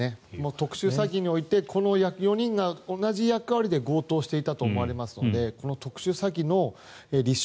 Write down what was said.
特殊詐欺においてこの４人が同じ役割で強盗をしていたと思われますのでこの特殊詐欺の立証